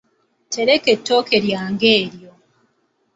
Teleka ettooke lyange eryo.